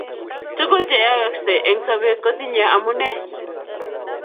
tukul cheyayaksei eng sabet kotinyei amune